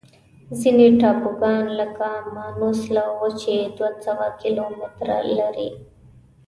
ځینې ټاپوګان لکه مانوس له وچې دوه سوه کیلومتره لري.